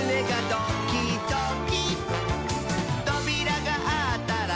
「とびらがあったら」